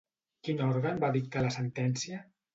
Quin òrgan va dictar la sentència?